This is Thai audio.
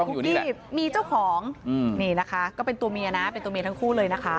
ที่มีเจ้าของนี่นะคะก็เป็นตัวเมียนะเป็นตัวเมียทั้งคู่เลยนะคะ